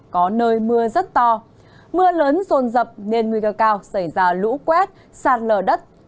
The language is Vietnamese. có nơi mưa rất to mưa lớn rồn rập nên nguy cơ cao xảy ra lũ quét sạt lở đất